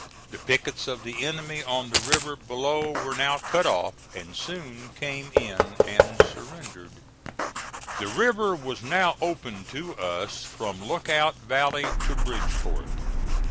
The pickets of the enemy on the river below were now cut off, and soon came in and surrendered. The river was now opened to us from Lookout valley to Bridgeport.